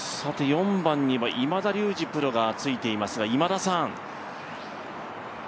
４番には今田竜二プロがついていますが、今田さん。